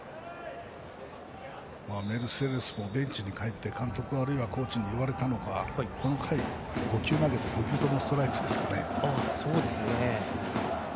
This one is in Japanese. メルセデスもベンチに帰って監督あるいはコーチに言われたのか、この回５球投げて５球ともストライクですからね。